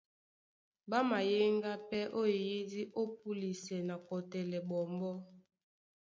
Ɓá mayéŋgá pɛ́ ó eyídí ó púlisɛ na kɔtɛlɛ ɓɔmbɔ́.